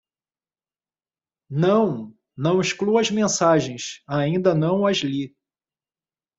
Não? não exclua as mensagens? Ainda não as li.